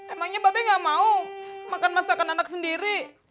emangnya babe nggak mau makan masakan anak sendiri